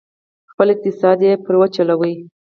خپل اقتصاد یې پرې وچلوه،